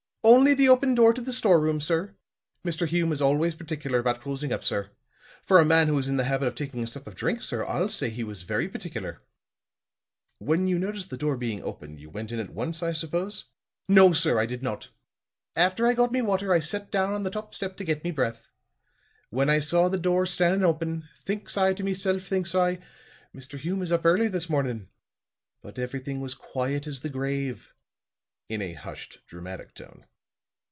"Only the open door to the store room, sir. Mr. Hume was always particular about closing up, sir. For a man who was in the habit of taking a sup of drink, sir, I'll say he was very particular." "When you noticed the door being open you went in at once, I suppose?" "No, sir; I did not. After I got me water, I set down on the top step to get me breath. When I saw the door stan'nin' open, thinks I to meself, thinks I; 'Mr. Hume is up early this mornin'.' But everything was quiet as the grave," in a hushed dramatic tone.